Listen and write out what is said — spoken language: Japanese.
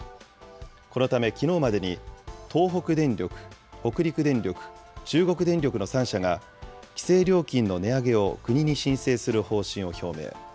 このためきのうまでに東北電力、北陸電力、中国電力の３社が、規制料金の値上げを国に申請する方針を表明。